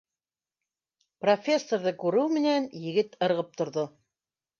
Профессорҙы күреү менән, егет ырғып торҙо: